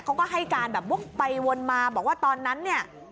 เขาก็ให้การแบบวกไปวนมาบอกว่าตอนนั้นเนี่ย